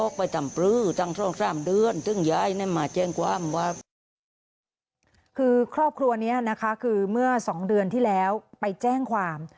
คือครอบครัวนี้นะคะคือเมื่อ๒เดือนที่แล้วไปแจ้งความ